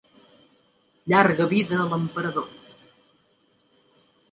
Llarga vida a l'Emperador.